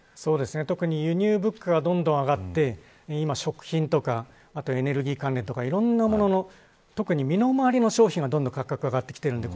特に輸入物価がどんどん上がって今、食品とかエネルギー関連とかいろんなものの特に身の回りの商品がどんどん価格が上がってきてるので